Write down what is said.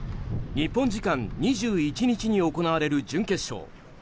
日本時間２１日に行われる準決勝。